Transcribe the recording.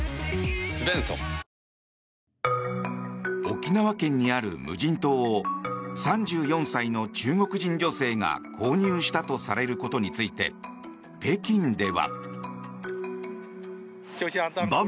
沖縄県にある無人島を３４歳の中国人女性が購入したとされることについて北京では。